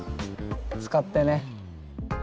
使ってね。